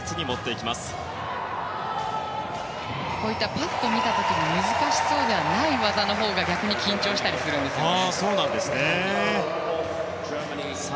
パッと見た時に難しそうではない技のほうが逆に緊張したりするんですね。